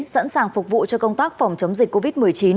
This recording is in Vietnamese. sẵn sàng phục vụ cho công tác phòng chống dịch covid một mươi chín